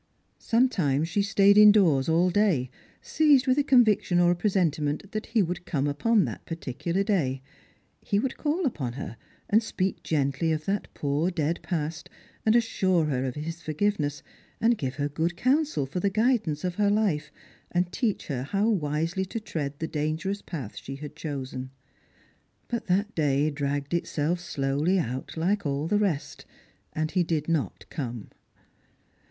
Sometimes she stayed indoors all day, seized with a con viction or a presentiment that he would come upon that parti cular day. He would call upon her, and speak gently of that poor dead past, and assure her of his forgiveness, and give her good counsel for the guidance of her life, and teach her how wisely to tread the dangerous path she had chosen. But that day dragged itself slowly out like all the rest, and he did not come.